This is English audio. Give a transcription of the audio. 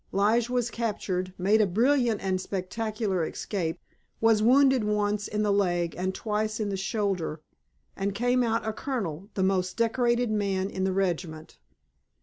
Lige was captured, made a brilliant and spectacular escape, was wounded once in the leg and twice in the shoulder, and came out a Colonel, the most adored man in the regiment.